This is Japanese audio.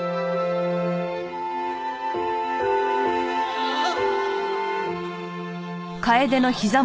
ああ。